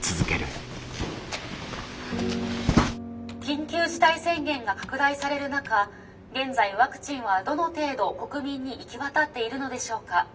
「緊急事態宣言が拡大される中現在ワクチンはどの程度国民に行き渡っているのでしょうか。